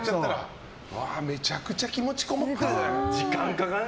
めちゃくちゃ気持ちこもってるね。